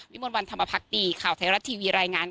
มนต์วันธรรมพักดีข่าวไทยรัฐทีวีรายงาน